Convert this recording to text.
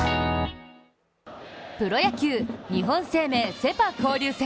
プロ野球日本生命セ・パ交流戦。